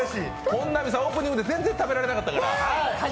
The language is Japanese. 本並さん、オープニングで全然食べられなかったから。